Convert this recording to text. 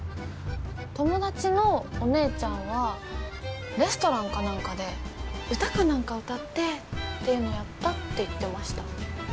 友達のお姉ちゃんはレストランかなんかで歌かなんか歌ってっていうのやったって言ってました。